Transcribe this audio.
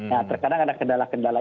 nah terkadang ada kendala kendala